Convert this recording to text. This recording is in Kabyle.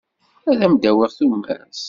Ad am-d-awiɣ tumert.